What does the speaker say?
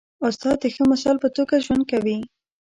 استاد د ښه مثال په توګه ژوند کوي.